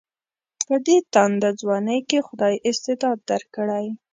په دې تانده ځوانۍ کې خدای استعداد درکړی.